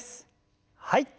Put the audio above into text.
はい。